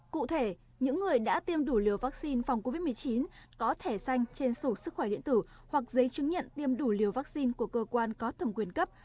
cụ thể những người đã tiêm đủ liều vaccine phòng covid một mươi chín có thẻ xanh trên sổ sức khỏe điện tử hoặc giấy chứng nhận tiêm đủ liều vaccine của cơ quan có thẩm quyền cấp